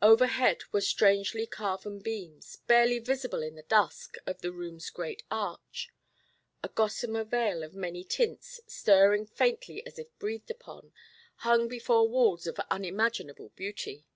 Overhead were strangely carven beams, barely visible in the dusk of the room's great arch. A gossamer veil of many tints, stirring faintly as if breathed upon, hung before walls of unimaginable beauty.